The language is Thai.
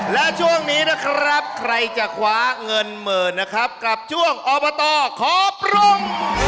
และช่วงนี้นะครับใครจะคว้าเงินหมื่นนะครับกับช่วงอบตขอปรุง